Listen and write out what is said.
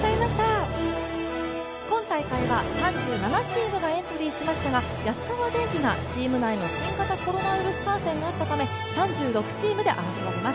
今大会は３７チームがエントリーしましたが、安川電機がチーム内の新型コロナウイルス感染があったため３６チームで争われます。